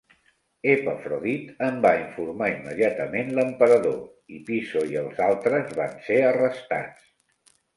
Epafrodit en va informar immediatament l'emperador i, Piso i els altres van ser arrestats.